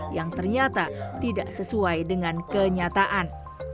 yang ternyata tidak sesuai dengan kenyataan